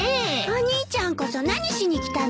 お兄ちゃんこそ何しに来たの？